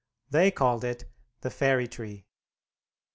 They called it "The Fairy Tree."